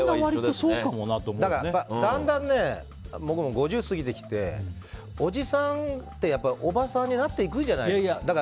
だから、だんだんね僕も５０過ぎてきておじさん、おばさんになっていくじゃないですか。